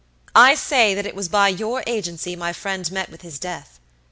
I say that it was by your agency my friend met with his death.